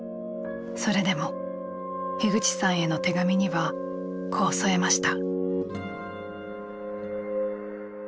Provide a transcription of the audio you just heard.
それでも口さんへの手紙にはこう添えました。